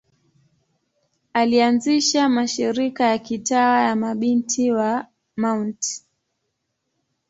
Alianzisha mashirika ya kitawa ya Mabinti wa Mt.